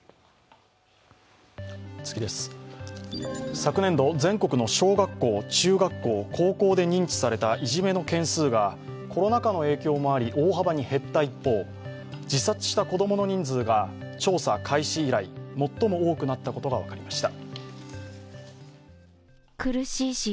昨年度、全国の小学校中学校、高校で認知されたいじめの件数がコロナ禍の影響もあり大幅に減った一方自殺した子供の人数が調査開始以来、最も多くなったことが分かりました。